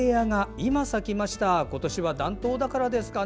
今年は暖冬だからですかね。